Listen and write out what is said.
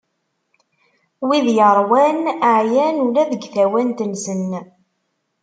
Wid yeṛwan, ɛyan ula deg tawant-nsen.